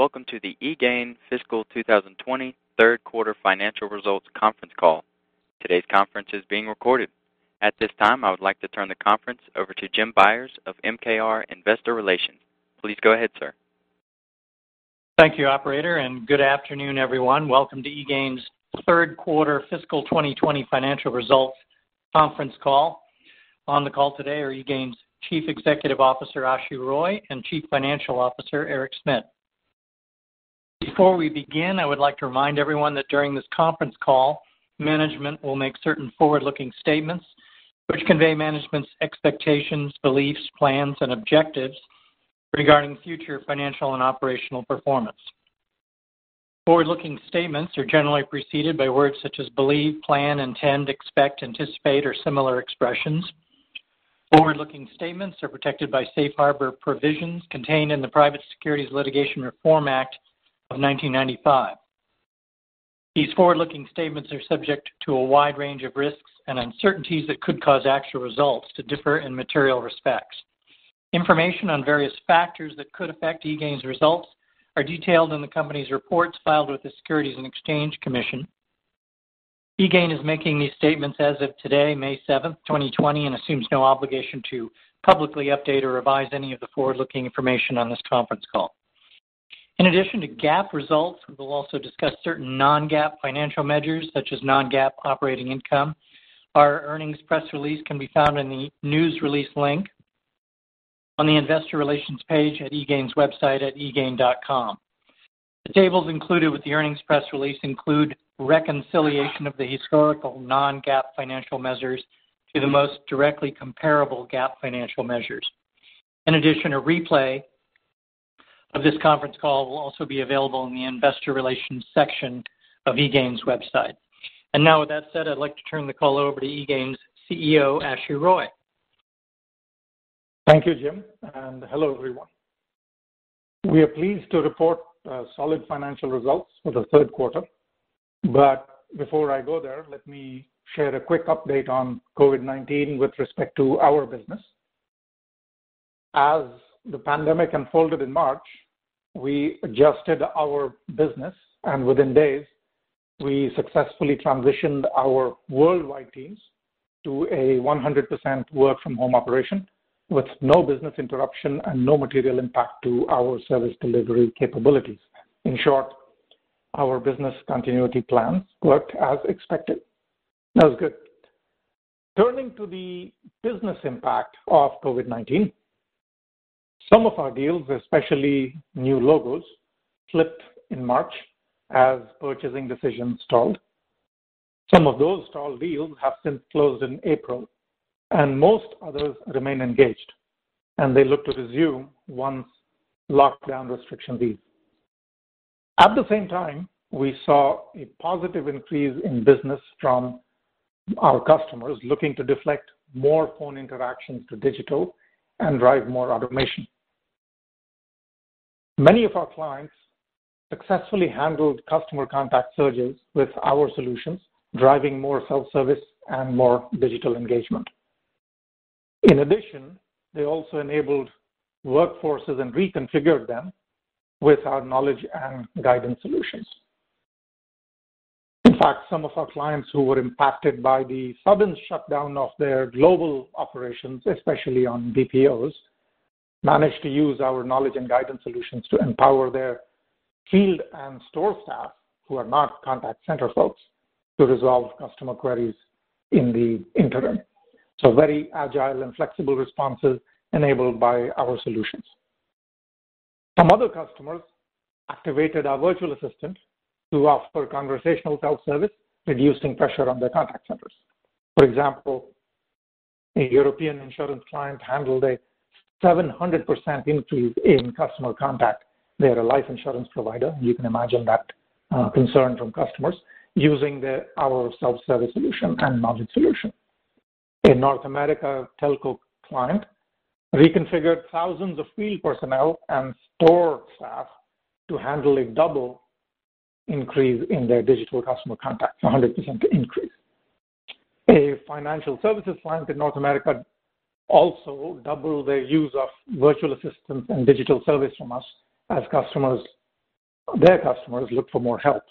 Welcome to the eGain Fiscal 2020 Third Quarter Financial Results Conference Call. Today's conference is being recorded. At this time, I would like to turn the conference over to Jim Byers of MKR Investor Relations. Please go ahead, sir. Thank you, operator, and good afternoon, everyone. Welcome to eGain's Third Quarter Fiscal 2020 Financial Results Conference Call. On the call today are eGain's Chief Executive Officer, Ashu Roy, and Chief Financial Officer, Eric Smit. Before we begin, I would like to remind everyone that during this conference call, management will make certain forward-looking statements which convey management's expectations, beliefs, plans, and objectives regarding future financial and operational performance. Forward-looking statements are generally preceded by words such as believe, plan, intend, expect, anticipate, or similar expressions. Forward-looking statements are protected by safe harbor provisions contained in the Private Securities Litigation Reform Act of 1995. These forward-looking statements are subject to a wide range of risks and uncertainties that could cause actual results to differ in material respects. Information on various factors that could affect eGain's results are detailed in the company's reports filed with the Securities and Exchange Commission. eGain is making these statements as of today, May 7th, 2020, assumes no obligation to publicly update or revise any of the forward-looking information on this conference call. In addition to GAAP results, we will also discuss certain non-GAAP financial measures, such as non-GAAP operating income. Our earnings press release can be found in the News Release link on the Investor Relations page at eGain's website at egain.com. The tables included with the earnings press release include reconciliation of the historical non-GAAP financial measures to the most directly comparable GAAP financial measures. In addition, a replay of this conference call will also be available in the Investor Relations section of eGain's website. Now with that said, I'd like to turn the call over to eGain's CEO, Ashu Roy. Thank you, Jim. Hello, everyone. We are pleased to report solid financial results for the third quarter. Before I go there, let me share a quick update on COVID-19 with respect to our business. As the pandemic unfolded in March, we adjusted our business, and within days, we successfully transitioned our worldwide teams to a 100% work-from-home operation with no business interruption and no material impact to our service delivery capabilities. In short, our business continuity plans worked as expected. That was good. Turning to the business impact of COVID-19, some of our deals, especially new logos, slipped in March as purchasing decisions stalled. Some of those stalled deals have since closed in April, and most others remain engaged, and they look to resume once lockdown restrictions ease. At the same time, we saw a positive increase in business from our customers looking to deflect more phone interactions to digital and drive more automation. Many of our clients successfully handled customer contact surges with our solutions, driving more self-service and more digital engagement. In addition, they also enabled workforces and reconfigured them with our Knowledge and Guidance solutions. In fact, some of our clients who were impacted by the sudden shutdown of their global operations, especially on BPOs, managed to use our Knowledge and Guidance solutions to empower their field and store staff, who are not contact center folks, to resolve customer queries in the interim. Very agile and flexible responses enabled by our solutions. Some other customers activated our Virtual Assistant to offer conversational self-service, reducing pressure on their contact centers. For example, a European insurance client handled a 700% increase in customer contact. They're a life insurance provider. You can imagine that concern from customers using our Self-Service solution and Knowledge solution. A North America telco client reconfigured thousands of field personnel and store staff to handle a double increase in their digital customer contacts, a 100% increase. A financial services client in North America also doubled their use of Virtual Assistant and Digital Service from us as their customers looked for more help.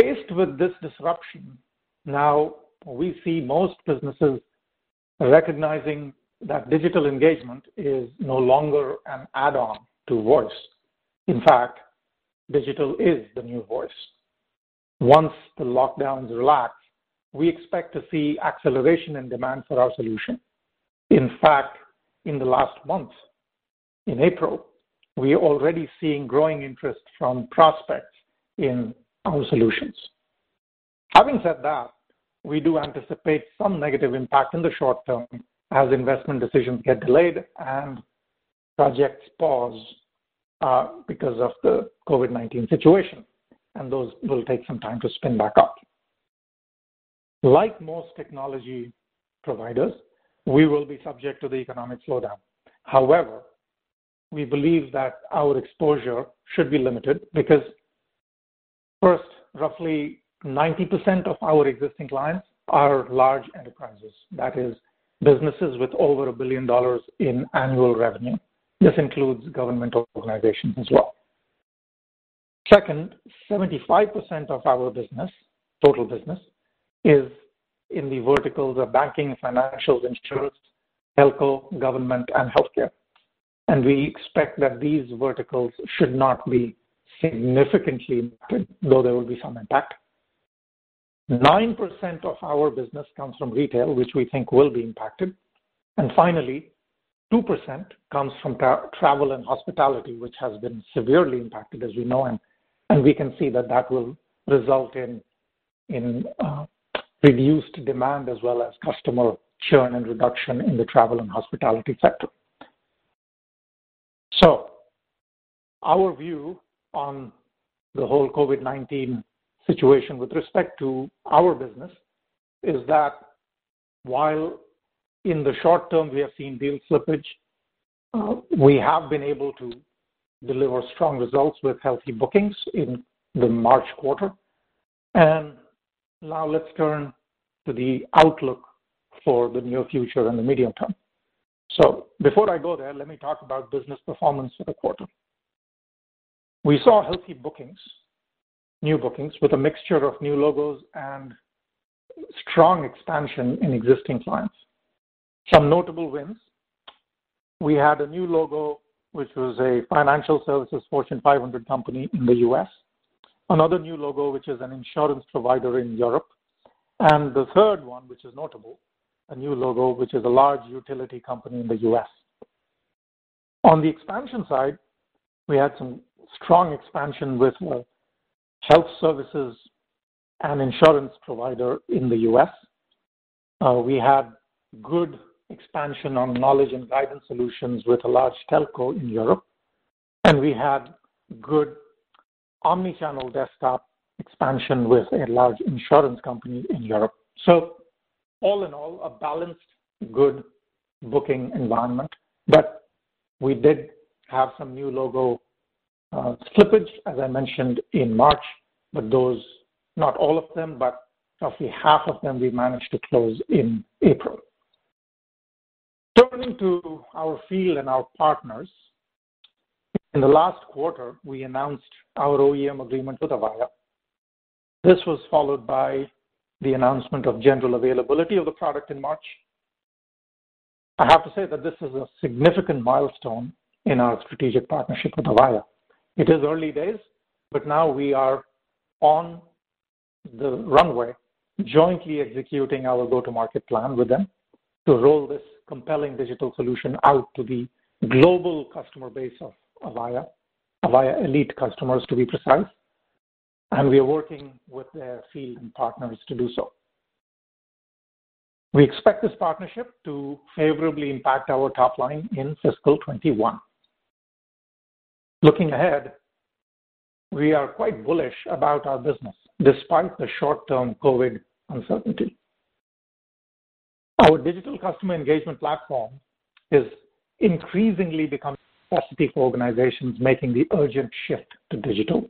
Faced with this disruption, now we see most businesses recognizing that digital engagement is no longer an add-on to voice. In fact, digital is the new voice. Once the lockdowns relax, we expect to see acceleration and demand for our solution. In fact, in the last month, in April, we are already seeing growing interest from prospects in our solutions. Having said that, we do anticipate some negative impact in the short term as investment decisions get delayed and projects pause because of the COVID-19 situation, and those will take some time to spin back up. Like most technology providers, we will be subject to the economic slowdown. However, we believe that our exposure should be limited because. First, roughly 90% of our existing clients are large enterprises. That is, businesses with over $1 billion in annual revenue. This includes governmental organizations as well. Second, 75% of our total business is in the verticals of banking, financials, insurance, telco, government, and healthcare. We expect that these verticals should not be significantly impacted, though there will be some impact. 9% of our business comes from retail, which we think will be impacted. Finally, 2% comes from travel and hospitality, which has been severely impacted, as we know, and we can see that that will result in reduced demand as well as customer churn and reduction in the travel and hospitality sector. Our view on the whole COVID-19 situation with respect to our business is that while in the short term we have seen deal slippage, we have been able to deliver strong results with healthy bookings in the March quarter. Now let's turn to the outlook for the near future and the medium term. Before I go there, let me talk about business performance for the quarter. We saw healthy bookings, new bookings, with a mixture of new logos and strong expansion in existing clients. Some notable wins. We had a new logo, which was a financial services Fortune 500 company in the U.S., another new logo, which is an insurance provider in Europe, and the third one, which is notable, a new logo, which is a large utility company in the U.S. On the expansion side, we had some strong expansion with a health services and insurance provider in the U.S. We had good expansion on Knowledge and Guidance solutions with a large telco in Europe, and we had good omnichannel desktop expansion with a large insurance company in Europe. All in all, a balanced, good booking environment. We did have some new logo slippage, as I mentioned, in March. Not all of them, but roughly half of them, we managed to close in April. Turning to our field and our partners. In the last quarter, we announced our OEM agreement with Avaya. This was followed by the announcement of general availability of the product in March. I have to say that this is a significant milestone in our strategic partnership with Avaya. It is early days, but now we are on the runway jointly executing our go-to-market plan with them to roll this compelling digital solution out to the global customer base of Avaya. Avaya Elite customers, to be precise. We are working with their field and partners to do so. We expect this partnership to favorably impact our top line in fiscal 2021. Looking ahead, we are quite bullish about our business, despite the short-term COVID uncertainty. Our digital customer engagement platform is increasingly becoming a necessity for organizations making the urgent shift to digital.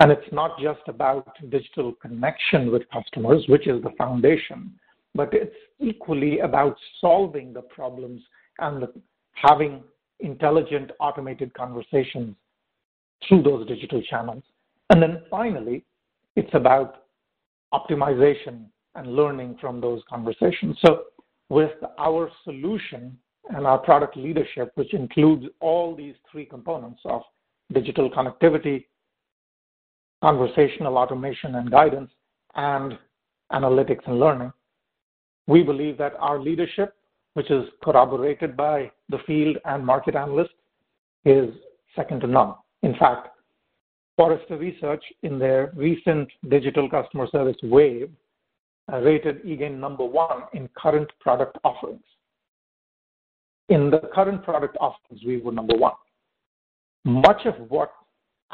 It's not just about digital connection with customers, which is the foundation, but it's equally about solving the problems and having intelligent automated conversations through those digital channels. Finally, it's about optimization and learning from those conversations. With our solution and our product leadership, which includes all these three components of digital connectivity, conversational automation and guidance, and analytics and learning, we believe that our leadership, which is corroborated by the field and market analysts, is second to none. In fact, Forrester Research, in their recent Digital Customer Service Wave, rated eGain number one in current product offerings. In the current product offerings, we were number one. Much of what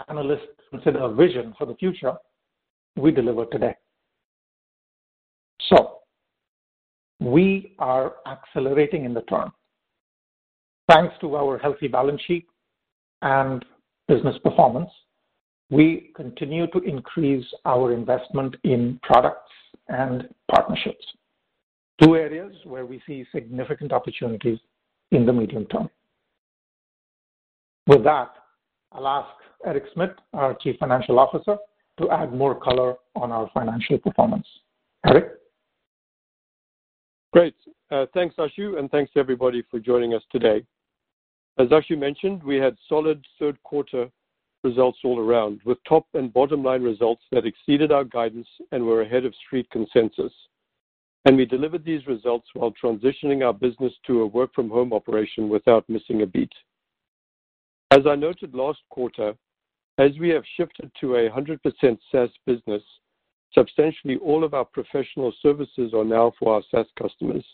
analysts consider a vision for the future, we deliver today. We are accelerating in the term. Thanks to our healthy balance sheet and business performance, we continue to increase our investment in products and partnerships. Two areas where we see significant opportunities in the medium term. With that, I'll ask Eric Smit, our Chief Financial Officer, to add more color on our financial performance. Eric? Great. Thanks, Ashu, and thanks to everybody for joining us today. As Ashu mentioned, we had solid third quarter results all around, with top and bottom line results that exceeded our guidance and were ahead of Street consensus. We delivered these results while transitioning our business to a work-from-home operation without missing a beat. As I noted last quarter, as we have shifted to a 100% SaaS business, substantially all of our professional services are now for our SaaS customers.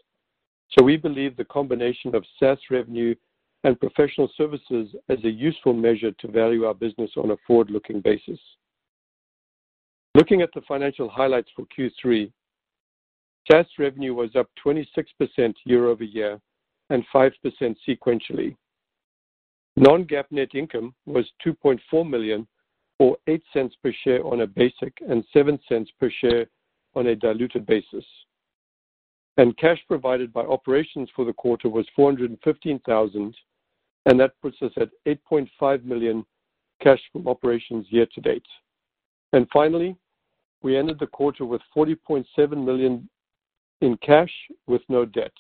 We believe the combination of SaaS revenue and professional services is a useful measure to value our business on a forward-looking basis. Looking at the financial highlights for Q3, SaaS revenue was up 26% year-over-year and 5% sequentially. Non-GAAP net income was $2.4 million, or $0.08 per share on a basic and $0.07 per share on a diluted basis. Cash provided by operations for the quarter was $415,000, and that puts us at $8.5 million cash from operations year-to-date. Finally, we ended the quarter with $40.7 million in cash with no debt.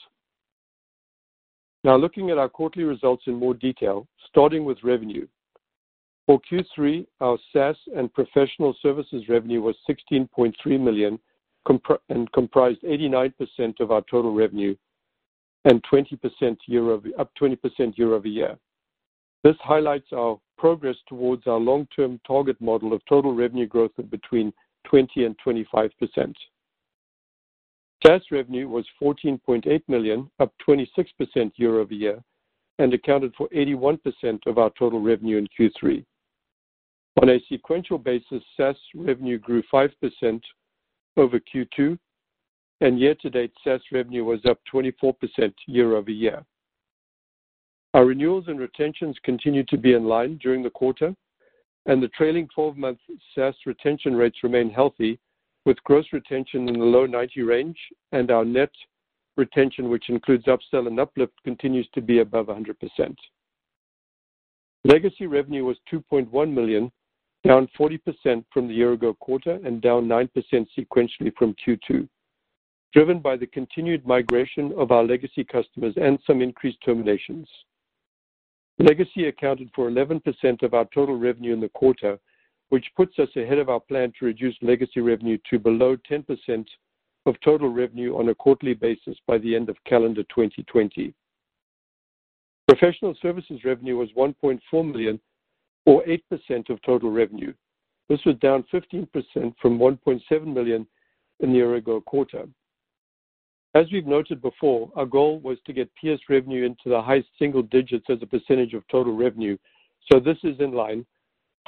Now looking at our quarterly results in more detail, starting with revenue. For Q3, our SaaS and professional services revenue was $16.3 million and comprised 89% of our total revenue and up 20% year-over-year. This highlights our progress towards our long-term target model of total revenue growth of between 20%-25%. SaaS revenue was $14.8 million, up 26% year-over-year, and accounted for 81% of our total revenue in Q3. On a sequential basis, SaaS revenue grew 5% over Q2, and year-to-date, SaaS revenue was up 24% year-over-year. Our renewals and retentions continued to be in line during the quarter, and the trailing 12-month SaaS retention rates remain healthy, with gross retention in the low 90% range and our net retention, which includes upsell and uplift, continues to be above 100%. Legacy revenue was $2.1 million, down 40% from the year-ago quarter and down 9% sequentially from Q2, driven by the continued migration of our legacy customers and some increased terminations. Legacy accounted for 11% of our total revenue in the quarter, which puts us ahead of our plan to reduce legacy revenue to below 10% of total revenue on a quarterly basis by the end of calendar 2020. Professional services revenue was $1.4 million or 8% of total revenue. This was down 15% from $1.7 million in the year-ago quarter. As we've noted before, our goal was to get PS revenue into the high single digits as a percentage of total revenue, so this is in line.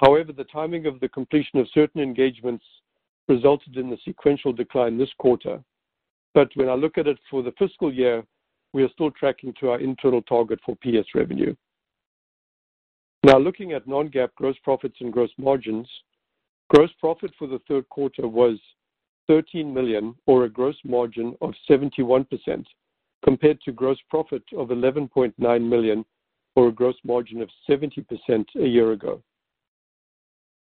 The timing of the completion of certain engagements resulted in the sequential decline this quarter. When I look at it for the fiscal year, we are still tracking to our internal target for PS revenue. Looking at non-GAAP gross profits and gross margins, gross profit for the third quarter was $13 million or a gross margin of 71%, compared to gross profit of $11.9 million or a gross margin of 70% a year ago.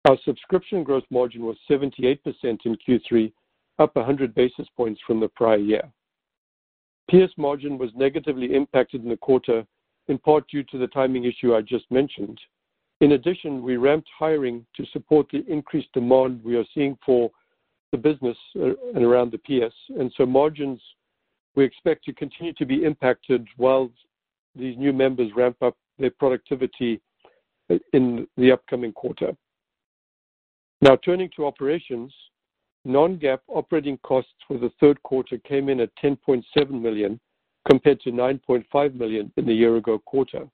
Our subscription gross margin was 78% in Q3, up 100 basis points from the prior year. PS margin was negatively impacted in the quarter, in part due to the timing issue I just mentioned. In addition, we ramped hiring to support the increased demand we are seeing for the business and around the PS. Margins we expect to continue to be impacted while these new members ramp up their productivity in the upcoming quarter. Turning to operations. Non-GAAP operating costs for the third quarter came in at $1.7 million, compared to $9.5 million in the year ago quarter.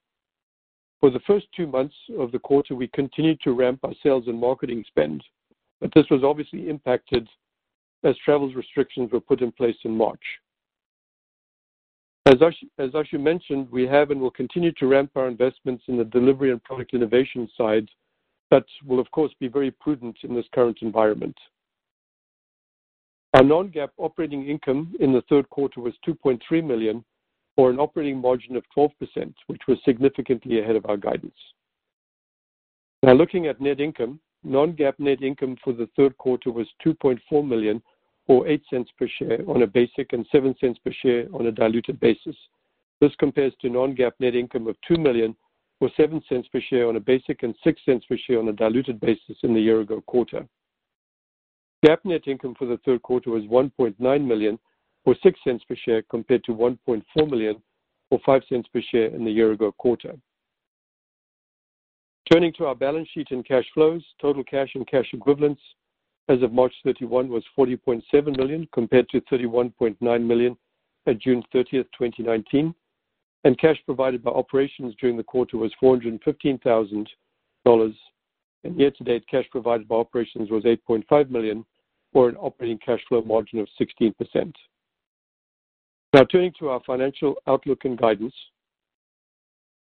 For the first two months of the quarter, we continued to ramp our sales and marketing spend, but this was obviously impacted as travel restrictions were put in place in March. As Ashu mentioned, we have and will continue to ramp our investments in the delivery and product innovation side, but we'll of course be very prudent in this current environment. Our non-GAAP operating income in the third quarter was $2.3 million or an operating margin of 12%, which was significantly ahead of our guidance. Now looking at net income, non-GAAP net income for the third quarter was $2.4 million or $0.08 per share on a basic and $0.07 per share on a diluted basis. This compares to non-GAAP net income of $2 million or $0.07 per share on a basic and $0.06 per share on a diluted basis in the year ago quarter. GAAP net income for the third quarter was $1.9 million or $0.06 per share compared to $1.4 million or $0.05 per share in the year ago quarter. Turning to our balance sheet and cash flows, total cash and cash equivalents as of March 31 was $40.7 million, compared to $31.9 million at June 30th, 2019. Cash provided by operations during the quarter was $415,000, and year-to-date cash provided by operations was $8.5 million or an operating cash flow margin of 16%. Turning to our financial outlook and guidance.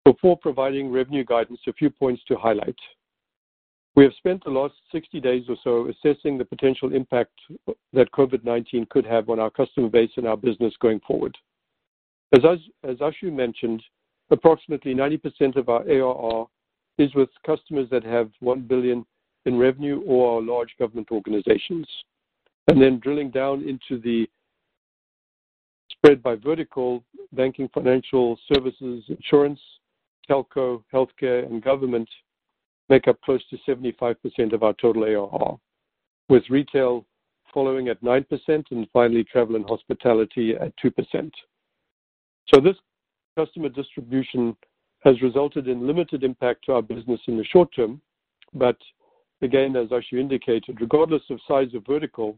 Before providing revenue guidance, a few points to highlight. We have spent the last 60 days or so assessing the potential impact that COVID-19 could have on our customer base and our business going forward. As Ashu mentioned, approximately 90% of our ARR is with customers that have $1 billion in revenue or are large government organizations. Drilling down into the spread by vertical, banking, financial services, insurance, telco, healthcare, and government make up close to 75% of our total ARR, with retail following at 9% and finally travel and hospitality at 2%. This customer distribution has resulted in limited impact to our business in the short term. Again, as Ashu indicated, regardless of size of vertical,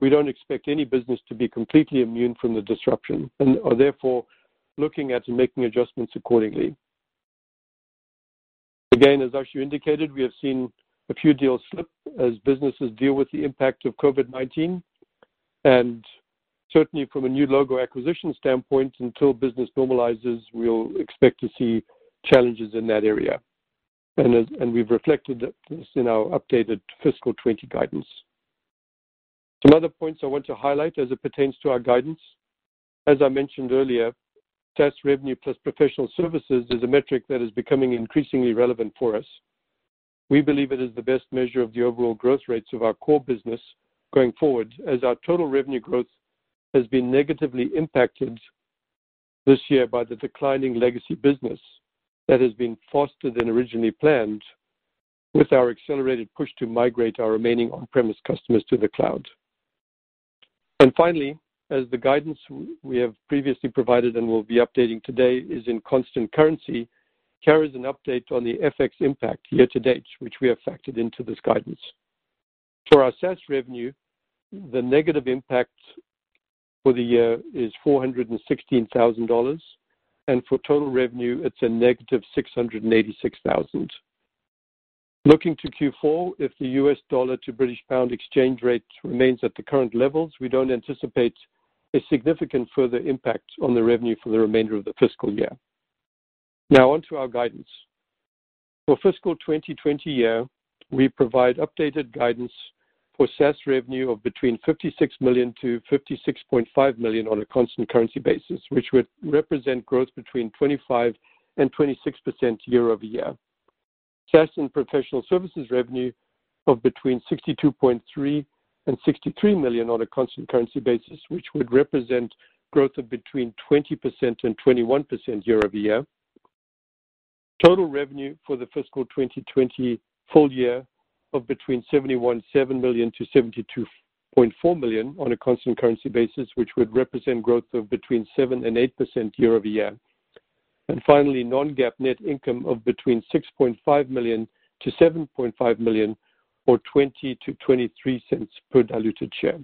we don't expect any business to be completely immune from the disruption and are therefore looking at and making adjustments accordingly. Again, as Ashu indicated, we have seen a few deals slip as businesses deal with the impact of COVID-19, and certainly from a new logo acquisition standpoint, until business normalizes, we'll expect to see challenges in that area. We've reflected this in our updated fiscal 2020 guidance. Some other points I want to highlight as it pertains to our guidance. As I mentioned earlier, SaaS revenue plus professional services is a metric that is becoming increasingly relevant for us. We believe it is the best measure of the overall growth rates of our core business going forward, as our total revenue growth has been negatively impacted this year by the declining legacy business that has been faster than originally planned with our accelerated push to migrate our remaining on-premise customers to the cloud. Finally, as the guidance we have previously provided and will be updating today is in constant currency, carries an update on the FX impact year to date, which we have factored into this guidance. For our SaaS revenue, the negative impact for the year is $416,000, and for total revenue, it's a -$686,000. Looking to Q4, if the U.S. dollar to GBP exchange rate remains at the current levels, we don't anticipate a significant further impact on the revenue for the remainder of the fiscal year. Now on to our guidance. For fiscal 2020 year, we provide updated guidance for SaaS revenue of between $56 million-$56.5 million on a constant currency basis, which would represent growth between 25%-26% year-over-year. SaaS and professional services revenue of between $62.3 million and $63 million on a constant currency basis, which would represent growth of between 20%-21% year-over-year. Total revenue for the fiscal 2020 full year of between $71.7 million-$72.4 million on a constant currency basis, which would represent growth of between 7%-8% year-over-year. Finally, non-GAAP net income of between $6.5 million-$7.5 million or $0.20-$0.23 per diluted share.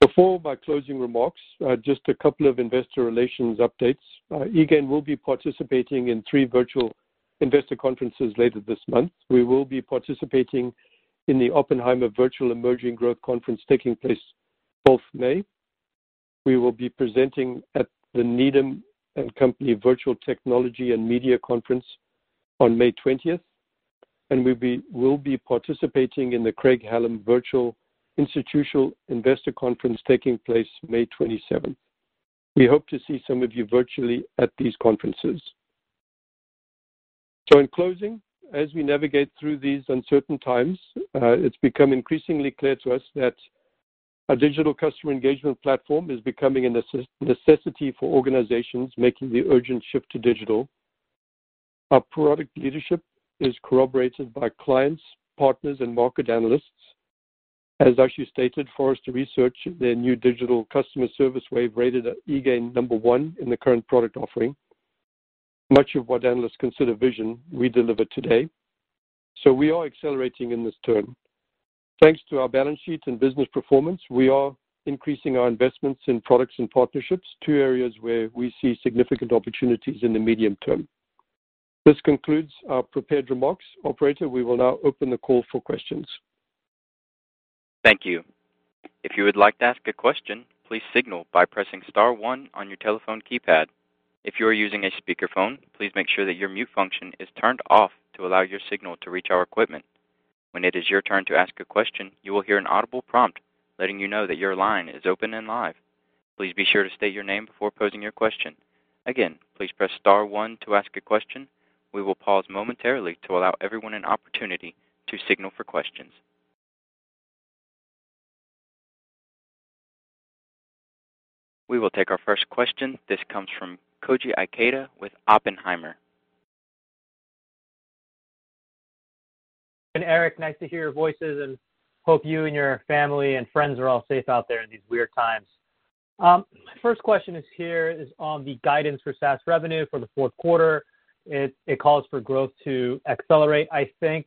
Before my closing remarks, just a couple of Investor Relations updates. eGain will be participating in three virtual investor conferences later this month. We will be participating in the Oppenheimer Virtual Emerging Growth Conference taking place May 12th. We will be presenting at the Needham & Company Virtual Technology and Media Conference on May 20th, and we'll be participating in the Craig-Hallum Virtual Institutional Investor Conference taking place May 27th. We hope to see some of you virtually at these conferences. In closing, as we navigate through these uncertain times, it's become increasingly clear to us that a digital customer engagement platform is becoming a necessity for organizations making the urgent shift to digital. Our product leadership is corroborated by clients, partners, and market analysts. As Ashu stated, Forrester Research, their new digital customer service wave rated eGain number one in the current product offering. Much of what analysts consider vision, we deliver today. We are accelerating in this term. Thanks to our balance sheets and business performance, we are increasing our investments in products and partnerships, two areas where we see significant opportunities in the medium term. This concludes our prepared remarks. Operator, we will now open the call for questions. Thank you. If you would like to ask a question, please signal by pressing star one on your telephone keypad. If you are using a speakerphone, please make sure that your mute function is turned off to allow your signal to reach our equipment. When it is your turn to ask a question, you will hear an audible prompt letting you know that your line is open and live. Please be sure to state your name before posing your question. Again, please press star one to ask a question. We will pause momentarily to allow everyone an opportunity to signal for questions. We will take our first question. This comes from Koji Ikeda with Oppenheimer. Eric, nice to hear your voices and hope you and your family and friends are all safe out there in these weird times. My first question is here is on the guidance for SaaS revenue for the fourth quarter. It calls for growth to accelerate, I think.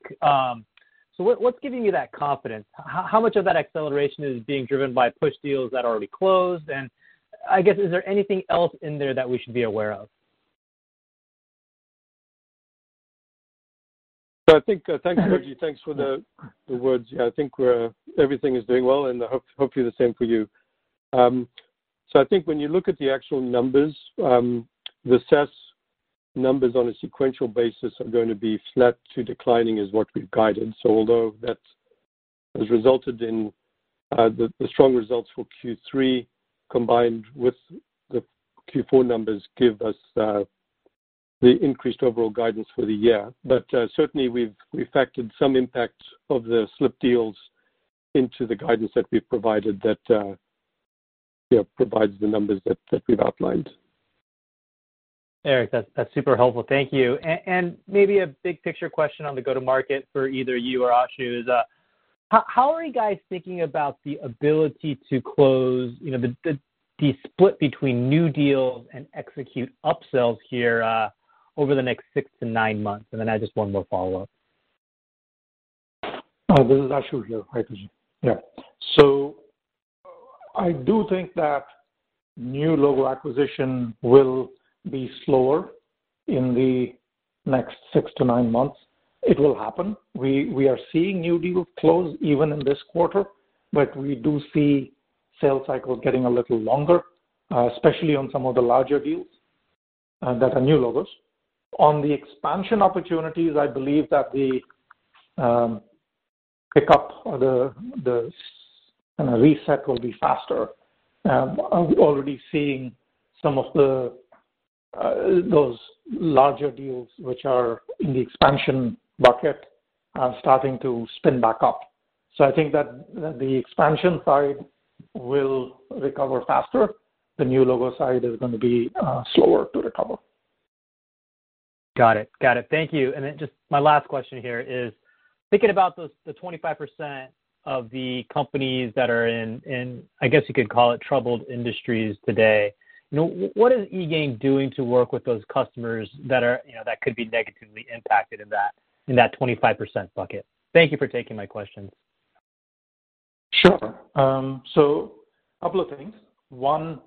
What's giving you that confidence? How much of that acceleration is being driven by push deals that already closed? I guess, is there anything else in there that we should be aware of? Thanks, Koji. Thanks for the words. Yeah, I think everything is doing well, and hopefully the same for you. When you look at the actual numbers, the SaaS numbers on a sequential basis are going to be flat to declining is what we've guided. Although that has resulted in the strong results for Q3 combined with the Q4 numbers give us the increased overall guidance for the year. Certainly, we've factored some impact of the slipped deals into the guidance that we've provided that provides the numbers that we've outlined. Eric, that's super helpful. Thank you. Maybe a big picture question on the go-to-market for either you or Ashu is, how are you guys thinking about the ability to close the split between new deals and execute upsells here over the next 6-9 months? I have just one more follow-up. This is Ashu here. Hi. Yeah. I do think that new logo acquisition will be slower in the next 6-9 months. It will happen. We are seeing new deals close even in this quarter, but we do see sales cycles getting a little longer, especially on some of the larger deals that are new logos. On the expansion opportunities, I believe that the pickup or the reset will be faster. I'm already seeing some of those larger deals, which are in the expansion bucket, are starting to spin back up. I think that the expansion side will recover faster. The new logo side is going to be slower to recover. Got it. Thank you. Just my last question here is thinking about the 25% of the companies that are in, I guess you could call it troubled industries today. What is eGain doing to work with those customers that could be negatively impacted in that 25% bucket? Thank you for taking my questions. Sure. A couple of things. One,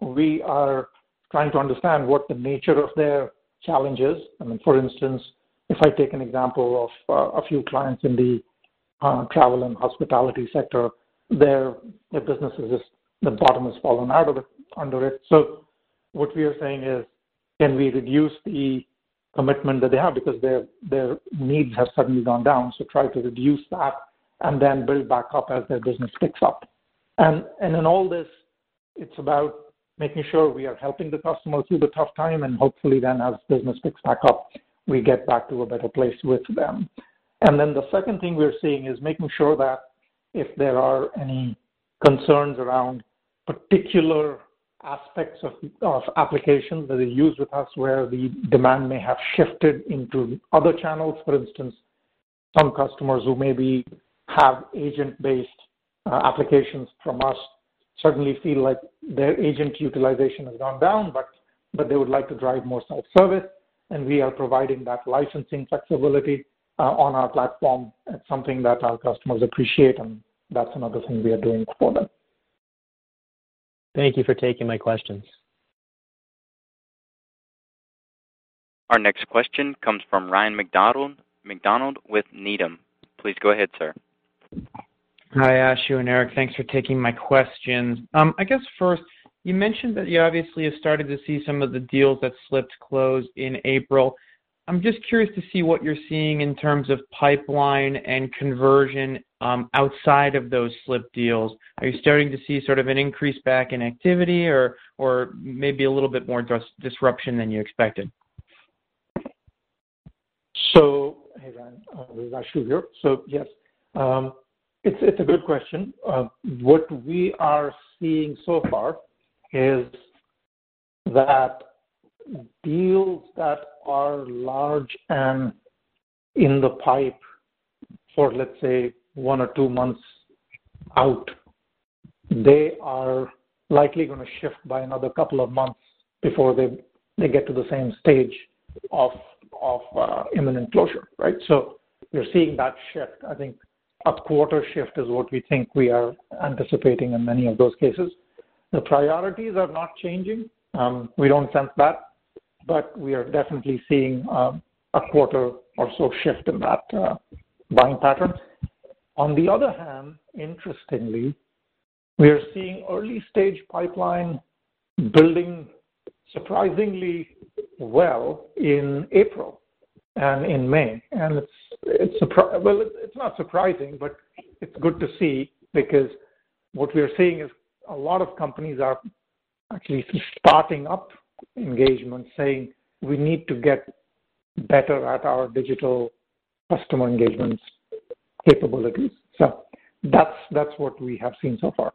we are trying to understand what the nature of their challenge is. I mean, for instance, if I take an example of a few clients in the travel and hospitality sector, their business is just the bottom has fallen out under it. What we are saying is, can we reduce the commitment that they have? Because their needs have suddenly gone down, so try to reduce that and then build back up as their business picks up. In all this, it's about making sure we are helping the customer through the tough time, and hopefully then as business picks back up, we get back to a better place with them. The second thing we are seeing is making sure that if there are any concerns around particular aspects of applications that they use with us, where the demand may have shifted into other channels. For instance, some customers who maybe have agent-based applications from us certainly feel like their agent utilization has gone down, but they would like to drive more self-service. We are providing that licensing flexibility on our platform. It's something that our customers appreciate. That's another thing we are doing for them. Thank you for taking my questions. Our next question comes from Ryan MacDonald with Needham. Please go ahead, sir. Hi, Ashu and Eric. Thanks for taking my questions. I guess first, you mentioned that you obviously have started to see some of the deals that slipped close in April. I'm just curious to see what you're seeing in terms of pipeline and conversion, outside of those slipped deals. Are you starting to see sort of an increase back in activity or maybe a little bit more disruption than you expected? Hey, Ryan. This is Ashu here. Yes, it's a good question. What we are seeing so far is that deals that are large and in the pipe for, let's say, one or two months out, they are likely going to shift by another couple of months before they get to the same stage of imminent closure, right? We're seeing that shift. I think a quarter shift is what we think we are anticipating in many of those cases. The priorities are not changing. We don't sense that, we are definitely seeing a quarter or so shift in that buying pattern. On the other hand, interestingly, we are seeing early-stage pipeline building surprisingly well in April and in May. It's surprising. Well, it's not surprising, but it's good to see, because what we are seeing is a lot of companies are actually starting up engagements, saying, "We need to get better at our digital customer engagements capabilities." That's what we have seen so far.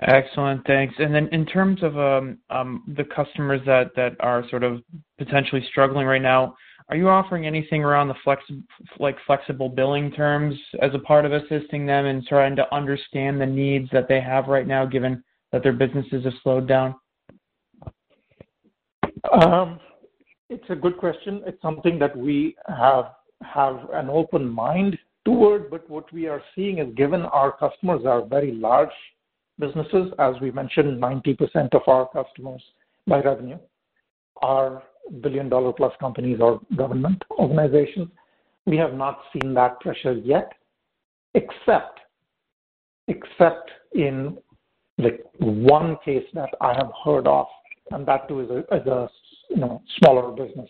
Excellent. Thanks. In terms of the customers that are sort of potentially struggling right now, are you offering anything around flexible billing terms as a part of assisting them in trying to understand the needs that they have right now, given that their businesses have slowed down? It's a good question. It's something that we have an open mind toward, but what we are seeing is, given our customers are very large businesses, as we mentioned, 90% of our customers by revenue are billion-dollar-plus companies or government organizations. We have not seen that pressure yet, except in one case that I have heard of, and that, too, is a smaller business.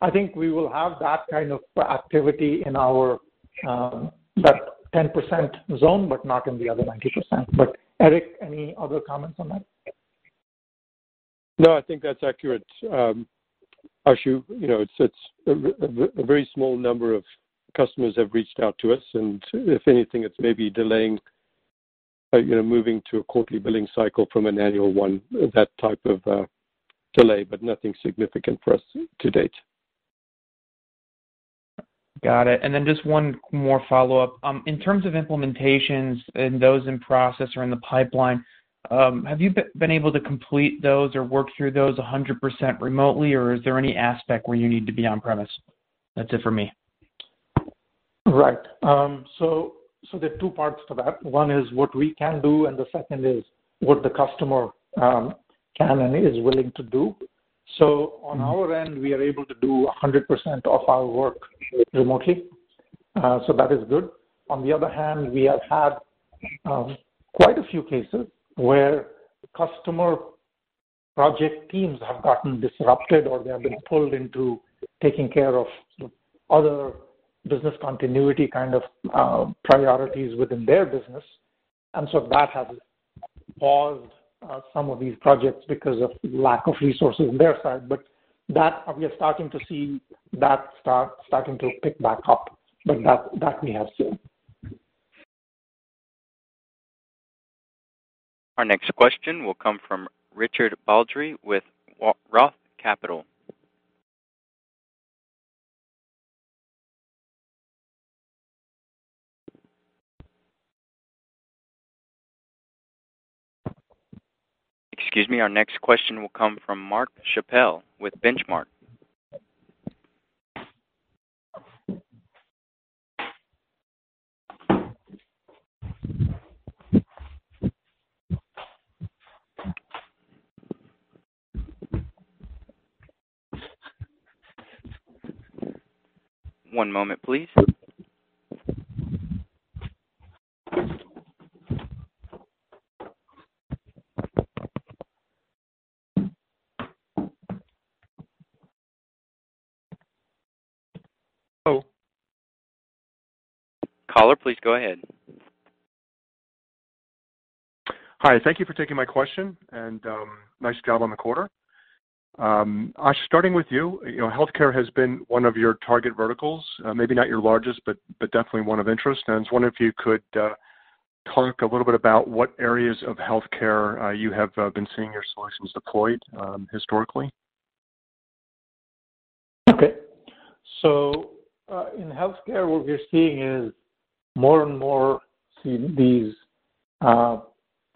I think we will have that kind of activity in our, that 10% zone, but not in the other 90%. Eric, any other comments on that? No, I think that's accurate. Ashu, a very small number of customers have reached out to us, and if anything, it's maybe delaying moving to a quarterly billing cycle from an annual one, that type of delay, but nothing significant for us to date. Got it. Just one more follow-up. In terms of implementations and those in process or in the pipeline, have you been able to complete those or work through those 100% remotely, or is there any aspect where you need to be on-premise? That's it for me. Right. There are two parts to that. One is what we can do, and the second is what the customer can and is willing to do. On our end, we are able to do 100% of our work remotely. That is good. On the other hand, we have had quite a few cases where customer project teams have gotten disrupted, or they have been pulled into taking care of other business continuity kind of priorities within their business. That has paused some of these projects because of lack of resources on their side. That, we are starting to see that starting to pick back up. That we have seen. Our next question will come from Richard Baldry with Roth Capital. Excuse me. Our next question will come from Mark Schappel with Benchmark. One moment, please. Hello. Caller, please go ahead. Hi. Thank you for taking my question, and nice job on the quarter. Ashu, starting with you. healthcare has been one of your target verticals, maybe not your largest, but definitely one of interest. I was wondering if you could talk a little bit about what areas of healthcare you have been seeing your solutions deployed historically. Okay. In healthcare, what we're seeing is more and more these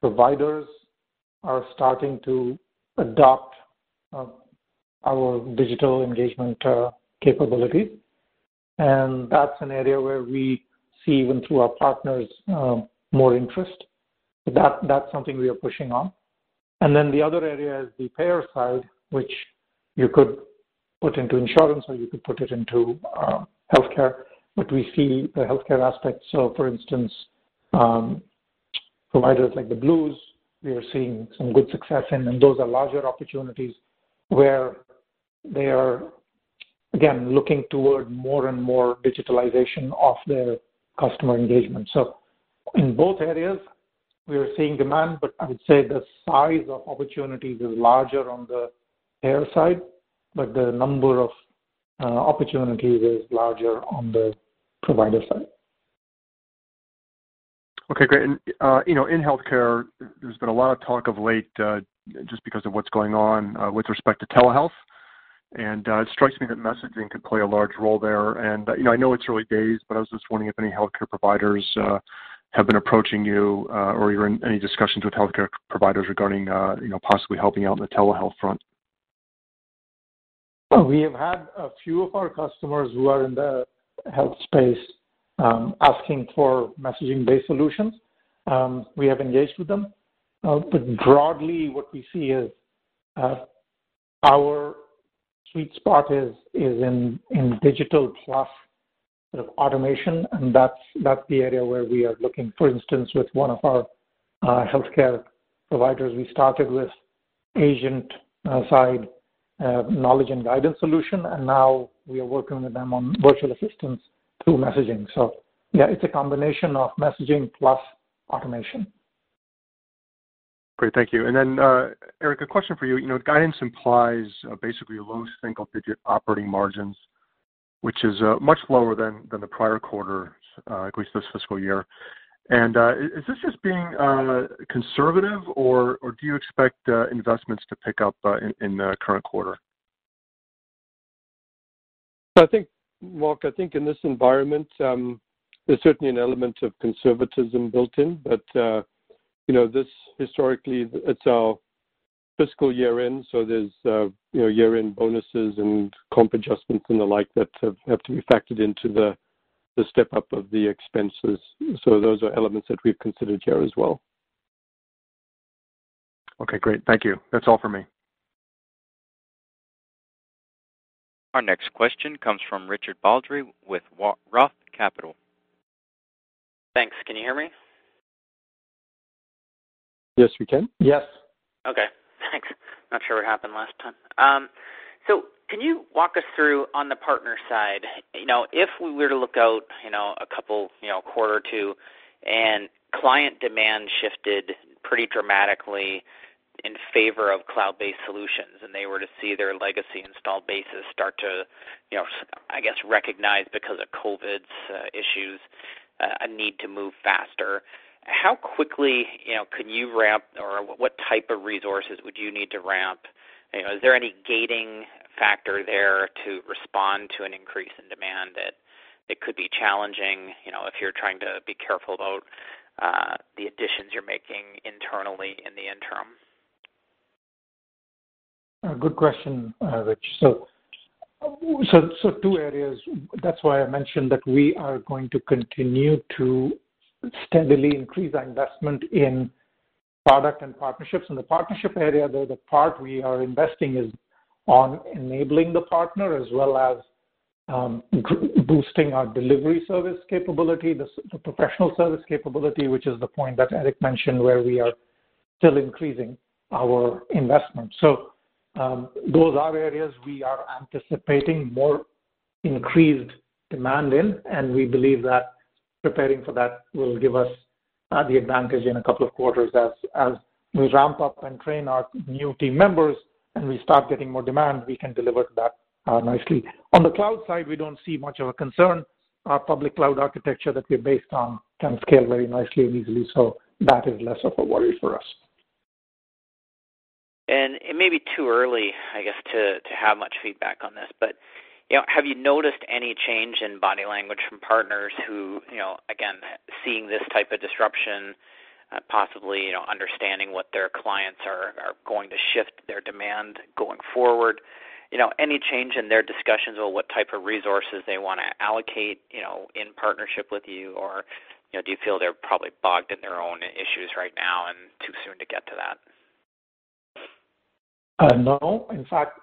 providers are starting to adopt our digital engagement capability. That's an area where we see, even through our partners, more interest. That's something we are pushing on. The other area is the payer side, which you could put into insurance or you could put it into healthcare, but we see the healthcare aspect. For instance, providers like the Blues, we are seeing some good success in, and those are larger opportunities where they are, again, looking toward more and more digitalization of their customer engagement. In both areas, we are seeing demand, but I would say the size of opportunities is larger on the payer side, but the number of opportunities is larger on the provider side. Okay, great. In healthcare, there's been a lot of talk of late, just because of what's going on with respect to telehealth, and it strikes me that messaging could play a large role there. I know it's early days, but I was just wondering if any healthcare providers have been approaching you, or you're in any discussions with healthcare providers regarding possibly helping out on the telehealth front. We have had a few of our customers who are in the health space asking for messaging-based solutions. We have engaged with them. Broadly, what we see is our sweet spot is in digital plus sort of automation, and that's the area where we are looking. For instance, with one of our healthcare providers, we started with agent-side Knowledge and Guidance solution, and now we are working with them on virtual assistants through messaging. Yeah, it's a combination of messaging plus automation. Great. Thank you. Then, Eric, a question for you. Guidance implies basically low single-digit operating margins, which is much lower than the prior quarter, at least this fiscal year. Is this just being conservative, or do you expect investments to pick up in the current quarter? Mark, I think in this environment, there's certainly an element of conservatism built in. This historically, it's our fiscal year-end, so there's year-end bonuses and comp adjustments and the like that have to be factored into the step-up of the expenses. Those are elements that we've considered here as well. Okay, great. Thank you. That's all for me. Our next question comes from Richard Baldry with Roth Capital. Thanks. Can you hear me? Yes, we can. Yes. Okay, thanks. Not sure what happened last time. Can you walk us through on the partner side, if we were to look out a couple quarter or two and client demand shifted pretty dramatically in favor of cloud-based solutions and they were to see their legacy installed bases start to, I guess, recognize, because of COVID's issues, a need to move faster, how quickly can you ramp or what type of resources would you need to ramp? Is there any gating factor there to respond to an increase in demand that it could be challenging if you're trying to be careful about the additions you're making internally in the interim? A good question, Rich. Two areas. That's why I mentioned that we are going to continue to steadily increase our investment in product and partnerships. In the partnership area, though, the part we are investing is on enabling the partner as well as boosting our delivery service capability, the professional service capability, which is the point that Eric mentioned, where we are still increasing our investment. Those are areas we are anticipating more increased demand in, and we believe that preparing for that will give us the advantage in a couple of quarters. As we ramp up and train our new team members and we start getting more demand, we can deliver that nicely. On the cloud side, we don't see much of a concern. Our public cloud architecture that we're based on can scale very nicely and easily, so that is less of a worry for us. It may be too early, I guess, to have much feedback on this, but have you noticed any change in body language from partners who, again, seeing this type of disruption, possibly understanding what their clients are going to shift their demand going forward? Any change in their discussions on what type of resources they want to allocate in partnership with you, or do you feel they're probably bogged in their own issues right now and too soon to get to that? No. In fact,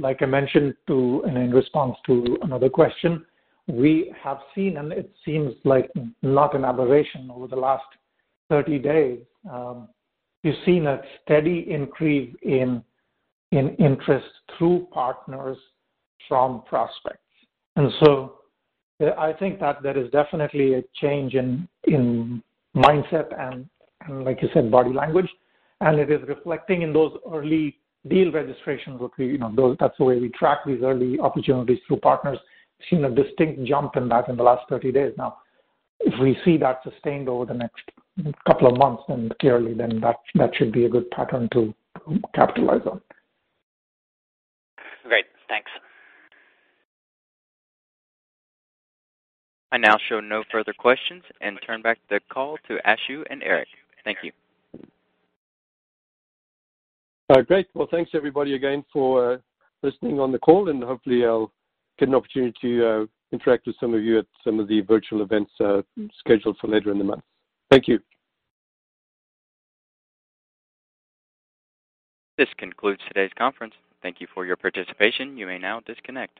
like I mentioned in response to another question, we have seen, and it seems like not an aberration, over the last 30 days, we've seen a steady increase in interest through partners from prospects. I think that there is definitely a change in mindset and, like you said, body language, and it is reflecting in those early deal registrations. That's the way we track these early opportunities through partners. We've seen a distinct jump in that in the last 30 days now. If we see that sustained over the next couple of months and clearly, then that should be a good pattern to capitalize on. Great. Thanks. I now show no further questions and turn back the call to Ashu and Eric. Thank you. Great. Well, thanks, everybody, again, for listening on the call. Hopefully, I'll get an opportunity to interact with some of you at some of the virtual events scheduled for later in the month. Thank you. This concludes today's conference. Thank you for your participation. You may now disconnect.